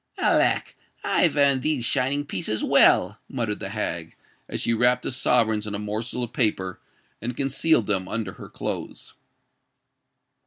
"Alack! I've earned these shining pieces well," muttered the hag, as she wrapped the sovereigns in a morsel of paper, and concealed them under her clothes.